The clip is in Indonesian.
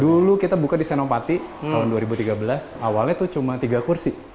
dulu kita buka di senopati tahun dua ribu tiga belas awalnya tuh cuma tiga kursi